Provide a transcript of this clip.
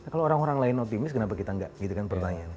kalau orang orang lain optimis kenapa kita enggak gitu kan pertanyaan